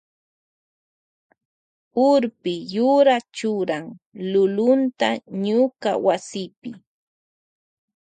Urpi yura churan lulunta ñuka wasipi.